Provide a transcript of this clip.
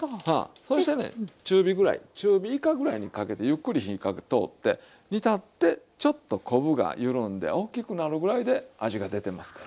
そしてね中火ぐらい中火以下ぐらいにかけてゆっくり火通って煮立ってちょっと昆布が緩んで大きくなるぐらいで味が出てますから。